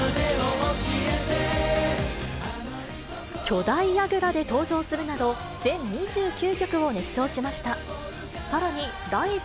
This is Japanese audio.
巨大やぐらで登場するなど、全２９曲を熱唱しました。